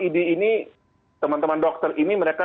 idi ini teman teman dokter ini mereka